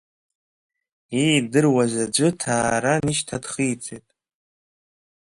Иидыруаз аӡәы Ҭааран ишьҭа дхиҵеит.